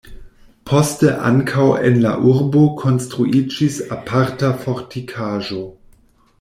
Poste ankaŭ en la urbo konstruiĝis aparta fortikaĵo.